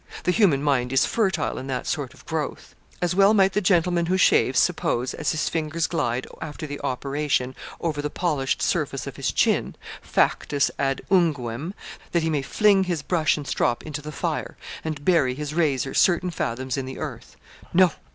The human mind is fertile in that sort of growth. As well might the gentleman who shaves suppose, as his fingers glide, after the operation, over the polished surface of his chin factus ad unguem that he may fling his brush and strop into the fire, and bury his razor certain fathoms in the earth. No!